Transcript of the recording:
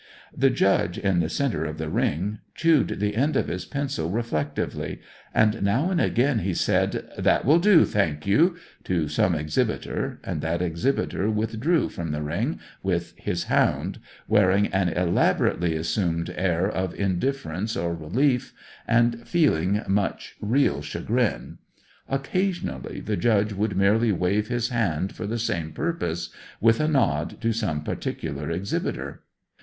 The Judge, in the centre of the ring, chewed the end of his pencil reflectively, and now and again he said, "That will do, thank you!" to some exhibitor, and that exhibitor withdrew from the ring with his hound, wearing an elaborately assumed air of indifference or relief, and feeling much real chagrin. Occasionally the Judge would merely wave his hand for the same purpose, with a nod to some particular exhibitor.